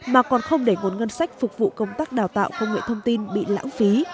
mà còn không để nguồn ngân sách phục vụ công tác đào tạo công nghệ thông tin bị lãng phí